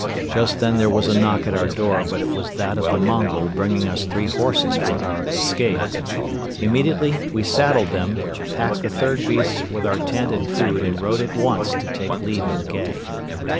Just then there was a knock at our door but it was that of the Mongol bringing us three horses for our escape. Immediately we saddled them, packed the third beast with our tent and food and rode off at once to take leave of Gay.